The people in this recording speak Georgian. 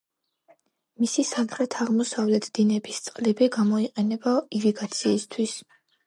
მისი სამხრეთ-აღმოსავლეთ დინების წყლები გამოიყენება ირიგაციისთვის.